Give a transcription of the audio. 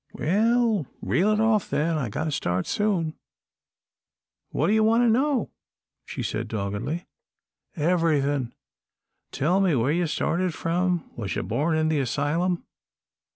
"Well, reel it off then. I've got to start soon." "What d'ye want to know?" she said, doggedly. "Everything; tell me where you started from. Was you born in the asylum?"